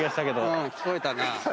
うん聞こえたな。